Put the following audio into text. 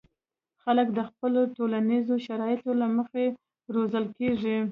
خلک د خپلو ټولنیزو شرایطو له مخې روزل کېږي.